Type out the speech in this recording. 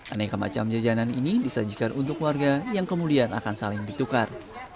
aneka macam jajanan ini disajikan untuk warga yang kemudian akan saling ditukar